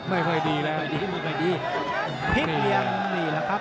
พลิกเหลี่ยมนี่แหละครับ